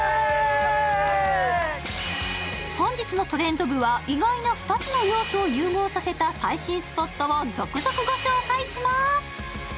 本日の「トレンド部」は意外な２つの要素を融合させた最新スポットを続々ご紹介します。